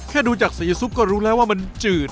แค่ดูจากสีซุปก็รู้ว่ามันจื่น